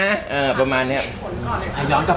อาห์ย้อนต่อไปวันที่ได้ดนใจ